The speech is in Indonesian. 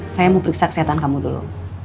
saya mau periksa kesehatan kamu dulu